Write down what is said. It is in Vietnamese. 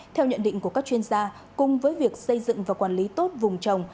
theo nhận định của các chuyên gia cùng với việc xây dựng và quản lý tốt vùng trồng